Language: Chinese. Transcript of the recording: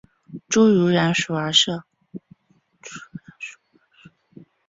侏儒蚺属而设。